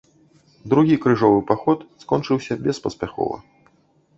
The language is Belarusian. Другі крыжовы паход скончыўся беспаспяхова.